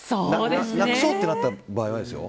なくそうってなった場合はですよ。